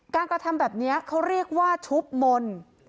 กระทำแบบนี้เขาเรียกว่าชุบมนต์